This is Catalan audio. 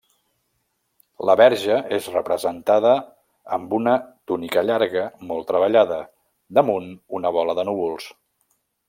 La verge és representada amb una túnica llarga molt treballada, damunt una bola de núvols.